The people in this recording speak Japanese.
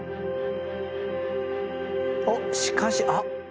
おっしかしあっ！